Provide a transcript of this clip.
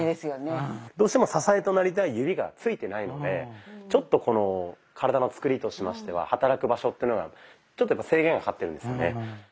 うん。どうしても支えとなりたい指が着いてないのでちょっとこの体のつくりとしましては働く場所っていうのがちょっとやっぱ制限がかかってるんですよね。